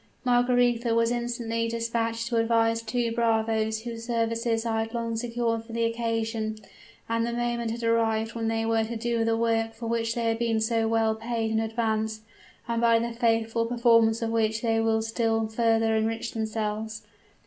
Margaretha was instantly dispatched to advise two bravoes whose services I had long secured for the occasion, that the moment had arrived when they were to do the work for which they had been so well paid in advance, and by the faithful performance of which they would still further enrich themselves.